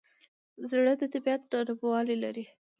زړه د طبیعت نرموالی لري.